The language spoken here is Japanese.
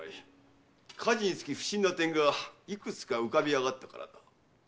火事につき不審な点がいくつかうかび上がったからだ。